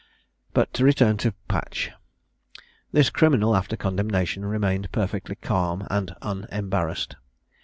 But to return to Patch. This criminal, after condemnation, remained perfectly calm and unembarrassed.